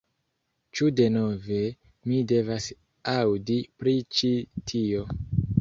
Ĉu denove, mi devas aŭdi pri ĉi tio